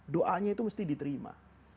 doanya itu mesti diterima